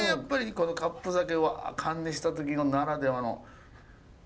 このカップ酒は燗にした時のならではの。